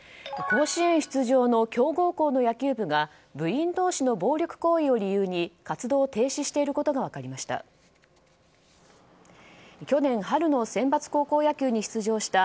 甲子園出場の強豪校の野球部が部員同士の暴力行為を理由に活動を停止していることが分かりました。